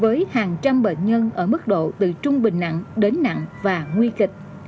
với hàng trăm bệnh nhân ở mức độ từ trung bình nặng đến nặng và nguy kịch